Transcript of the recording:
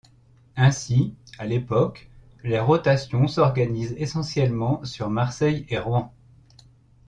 Ainsi, à l'époque, les rotations s'organisent essentiellement sur Marseille et Rouen.